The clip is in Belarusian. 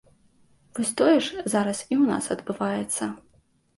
Вось тое ж зараз і ў нас адбываецца.